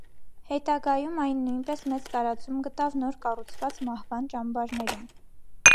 Հետագայում այն նույնպես մեծ տարածում գտավ նոր կառուցված մահվան ճամբարներում։